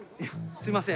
すいません。